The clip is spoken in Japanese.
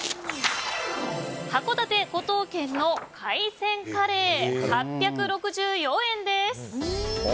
函館五島軒の海鮮カレー８６４円です。